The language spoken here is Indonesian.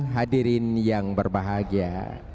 hadirin yang berbahagia